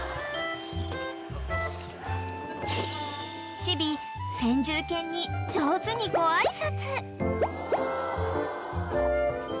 ［チビ先住犬に上手にご挨拶］